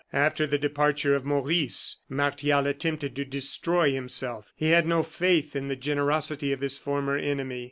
After the departure of Maurice, Martial attempted to destroy himself. He had no faith in the generosity of his former enemy.